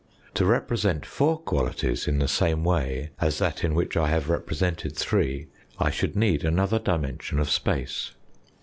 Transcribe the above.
To represent four qualities in the same way as that in which I have represented three, I should need another dimension of space.